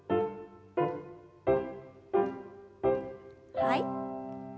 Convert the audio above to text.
はい。